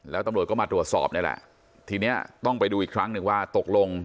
แล้วตำรวจก็มาตรวจสอบนี่แหละทีเนี้ยต้องไปดูอีกครั้งหนึ่งว่าตกลง